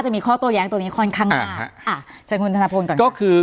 จะมีข้อตัวเองตัวนี้ค่อนข้างมาอ่าเฉยขึ้นธนาพลก่อนก็คือ